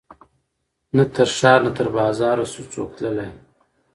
نه تر ښار نه تر بازاره سو څوک تللای